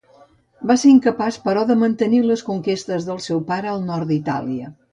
Va ser incapaç, però de mantenir les conquestes del seu pare al nord d'Itàlia.